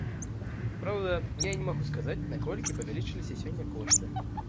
Праўда, я не магу сказаць, наколькі павялічыліся сёння кошты.